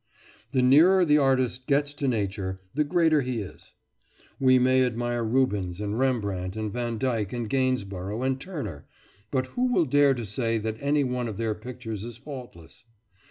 The nearer the artist gets to nature, the greater he is. We may admire Rubens and Rembrandt and Vandyke and Gainsborough and Turner, but who will dare to say that any one of their pictures is faultless?